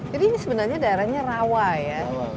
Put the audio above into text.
jadi ini sebenarnya daerahnya rawa ya